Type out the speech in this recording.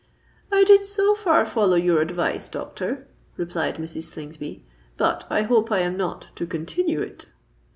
"I did so far follow your advice, doctor," replied Mrs. Slingsby; "but I hope I am not to continue it?"